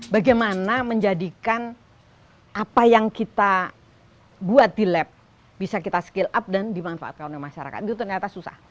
bagaimana menjadikan apa yang kita buat di lab bisa kita skill up dan dimanfaatkan oleh masyarakat itu ternyata susah